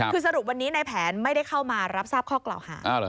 คือสรุปวันนี้ในแผนไม่ได้เข้ามารับทราบข้อกล่าวหา